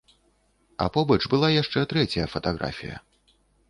А побач была яшчэ трэцяя фатаграфія.